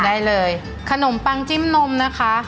ได้เลยขนมปังจิ้มนมนะคะ